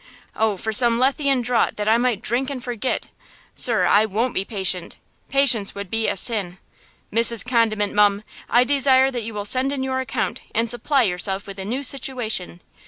Oh, for some lethean draught that I might drink and forget! Sir, I won't be patient! Patience would be a sin! Mrs. Condiment, mum, I desire that you will send in your account and supply yourself with a new situation!